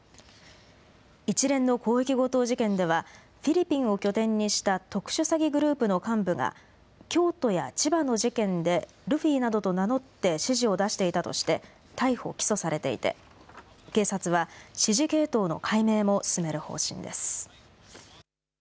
一連の広域強盗事件では、フィリピンを拠点にした特殊詐欺グループの幹部が、京都や千葉の事件でルフィなどと名乗って指示を出していたとして、逮捕・起訴されていて、警察は、指示系統の解明も進める方針です。